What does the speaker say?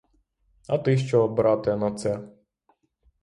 А ти що, брате, на це?